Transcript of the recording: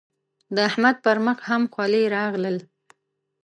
د احمد پر مخ هم خلي راغلل.